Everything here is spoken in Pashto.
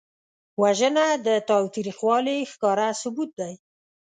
وژنه د تاوتریخوالي ښکاره ثبوت دی